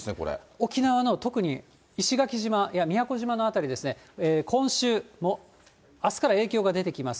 沖縄の、特に石垣島や宮古島の辺りですね、今週、あすから影響が出てきます。